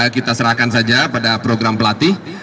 kita serahkan saja pada program pelatih